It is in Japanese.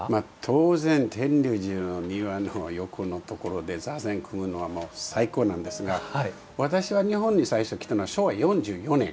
当然天龍寺の庭の横のところで座禅組むのはもう最高なんですが私は日本に最初来たのは昭和４４年１９６９年。